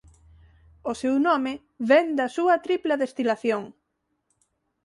O seu nome vén da súa tripla destilación.